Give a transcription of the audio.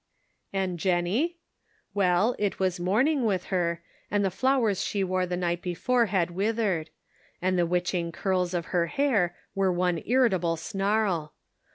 And Jennie ? Well, it was morning with her, and the flowers she wore the night before had withered ; and the witching curls of her hair were one irritable snarl.